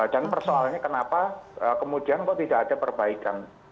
dan persoalannya kenapa kemudian kok tidak ada perbaikan